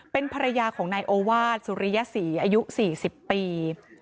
เป็นภรรยาของนายโอวาสสุริยศรีอายุ๔๐ปี